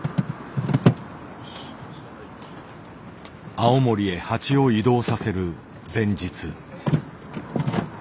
青森へ蜂を移動させる前日。